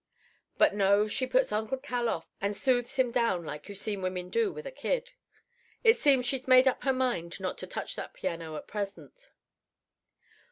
"But no; she puts Uncle Cal off and soothes him down like you've seen women do with a kid. It seems she's made up her mind not to touch that piano at present.